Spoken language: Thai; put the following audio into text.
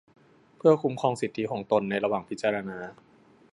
เพื่อคุ้มครองสิทธิของตนในระหว่างพิจารณา